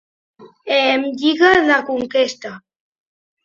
Lliga de Conquesta: